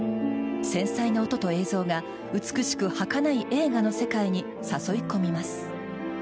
繊細な音と映像が美しくはかない映画の世界に誘い込みます。